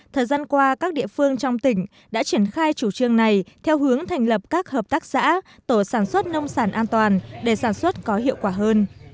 thời gian qua các địa phương trong tỉnh đã triển khai chủ trương này theo hướng thành lập các hợp tác xã tổ sản xuất nông sản an toàn để sản xuất có hiệu quả hơn